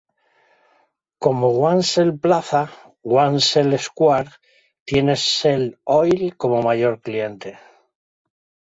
Como One Shell Plaza, One Shell Square tiene Shell Oil como un major cliente.